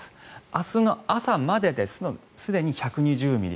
明日の朝までですでに１２０ミリ